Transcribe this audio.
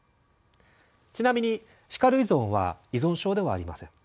ちなみに「叱る依存」は依存症ではありません。